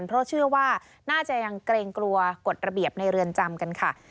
เพราะเชื่อว่าน่าจะยังเกรงกลัวกฎระเบียบในเรือนจำกันค่ะ